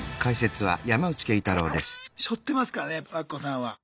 しょってますからね和歌子さんは。